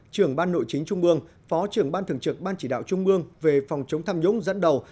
trưởng ban nội chính trung ương phó trưởng ban thường trực ban chỉ đạo trung ương về phòng chống tham nhũng dẫn đầu